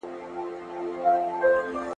• پر اخوند ښوروا ډېره ده.